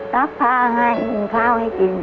ซักผ้าให้หุงข้าวให้กิน